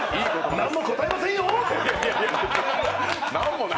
何も答えませんよ。